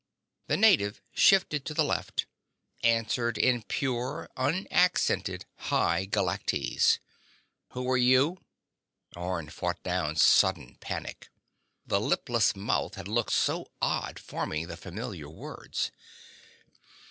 The native shifted to the left, answered in pure, unaccented High Galactese: "Who are you?" Orne fought down a sudden panic. The lipless mouth had looked so odd forming the familiar words.